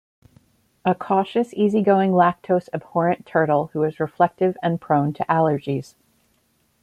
A cautious, easy-going, lactose abhorrent turtle who is reflective and prone to allergies.